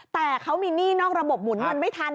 แต่เขามีหนี้นอกระบบหมุนเงินไม่ทัน